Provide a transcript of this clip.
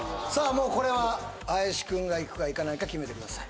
もうこれは林くんがいくかいかないか決めてください